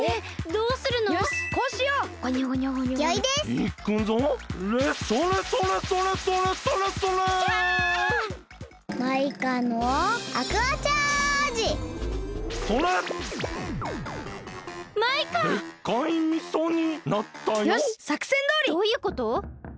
どういうこと？